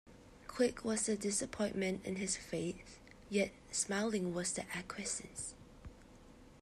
Quick was the disappointment in his face, yet smiling was the acquiescence.